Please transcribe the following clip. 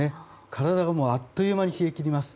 体があっという間に冷え切ります。